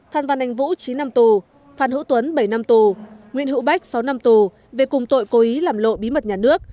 phan văn anh vũ chín năm tù phan hữu tuấn bảy năm tù nguyễn hữu bách sáu năm tù về cùng tội cố ý làm lộ bí mật nhà nước